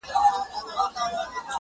ښه دی چي جواب له خپله ځانه سره یو سمه.!